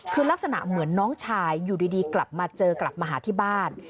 คือลักษณะเหมือนน้องชายอยู่ดีกลับมาเจอกลับมาหาที่บ้าน